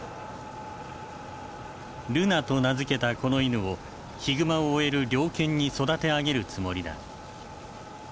ルナと名付けたこの犬をヒグマを追える猟犬に育て上げるつもりだ。